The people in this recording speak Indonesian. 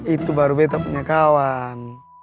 itu baru beta punya kawan